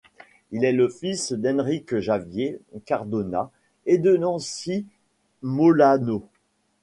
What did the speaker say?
Il est le fils d'Enrique Javier Cardona et de Nancy Molano.